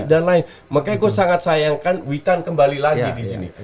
makanya gue sangat sayangkan witan kembali lagi disini